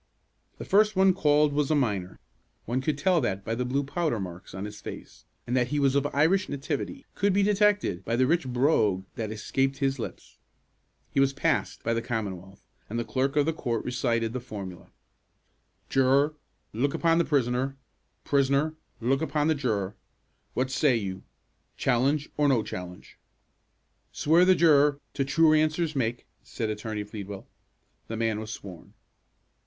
The first one called was a miner. One could tell that by the blue powder marks on his face, and that he was of Irish nativity could be detected by the rich brogue that escaped his lips. He was "passed" by the Commonwealth, and the clerk of the court recited the formula: "Juror, look upon the prisoner. Prisoner, look upon the juror. What say you, challenge, or no challenge?" "Swear the juror to 'true answers make,'" said Attorney Pleadwell. The man was sworn.